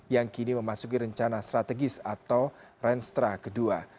yang kini memasuki rencana strategis atau renstra kedua